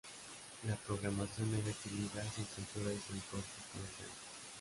La programación era exhibida sin censura y sin cortes comerciales.